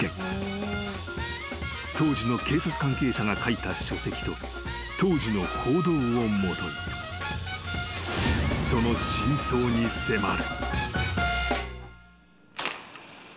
［当時の警察関係者が書いた書籍と当時の報道を基にその真相に迫る］